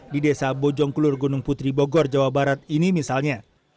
di desa bojongkulur gunung putri bogor jawa barat ini misalnya